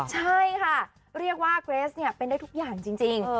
ใช่ค่ะเรียกว่าเกรสเนี่ยเป็นได้ทุกอย่างจริง